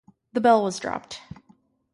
The bell was dropped.